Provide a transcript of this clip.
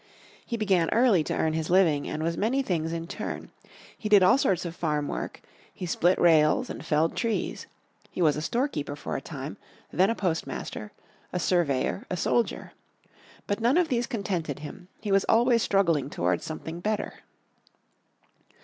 He began early to earn his living, and was many things in turn. He did all sorts of farm work, he split rails and felled trees. He was a storekeeper for a time, then a postmaster, a surveyor, a soldier. But none of these contented him; he was always struggling towards something better.